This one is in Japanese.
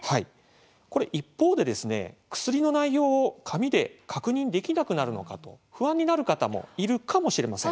一方でですね、薬の内容を紙で確認できなくなるのかと不安になる方もいるかもしれません。